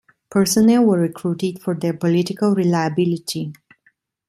Personnel were recruited for their "political reliability".